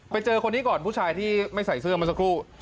คนนี้ก่อนผู้ชายที่ไม่ใส่เสื้อมาสักครู่